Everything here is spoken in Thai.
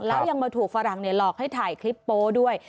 แล้วยังมาถูกฝรั่งหลอกให้ถ่ายคลิปโป๊ด้วย